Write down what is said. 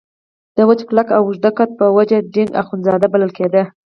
د وچ کلک او اوږده قد په وجه ډینګ اخندزاده بلل کېده.